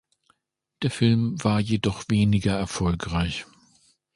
Der Film war jedoch weniger erfolgreich.